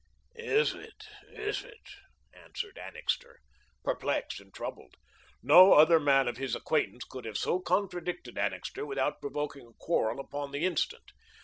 "It is, is it?" answered Annixter, perplexed and troubled. No other man of his acquaintance could have so contradicted Annixter without provoking a quarrel upon the instant.